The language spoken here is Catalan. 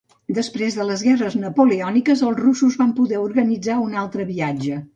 Després de les guerres napoleòniques, els russos van poder organitzar un altre viatge.